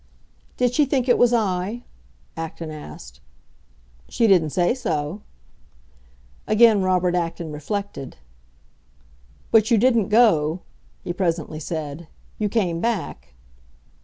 "Did she think it was I?" Acton asked. "She didn't say so." Again Robert Acton reflected. "But you didn't go," he presently said; "you came back."